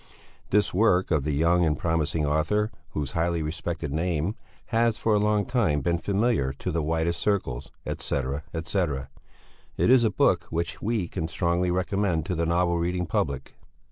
This work of the young and promising author whose highly respected name has for a long time been familiar to the widest circles, etc. etc. It is a book which we can strongly recommend to the novel reading public."